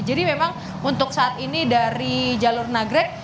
memang untuk saat ini dari jalur nagrek